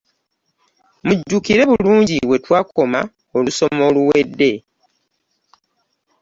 Mujjukire bulungi we twakoma olusoma oluwedde.